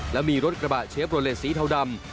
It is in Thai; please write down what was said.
และมีรถกระบะเชฟโรเลสสีเทาดำ